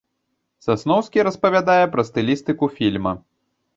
Сасноўскі распавядае пра стылістыку фільма.